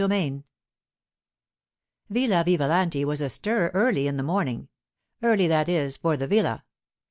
CHAPTER XV VILLA VIVALANTI was astir early in the morning—early, that is, for the villa.